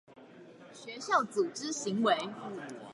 學校組織行為